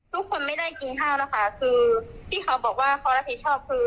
ทุกคนไม่ได้กินข้าวแล้วค่ะคือที่เขาบอกว่าเขารับผิดชอบคือ